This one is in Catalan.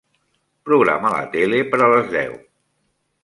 Programa la tele per a les deu.